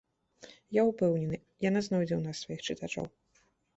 Я ўпэўнены, яна знойдзе ў нас сваіх чытачоў.